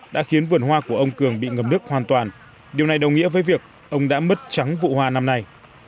đã khiến vườn hoa của ông cường bị ngầm nước hoàn toàn điều này đồng nghĩa với việc ông đã mất trắng vụ hoa năm nay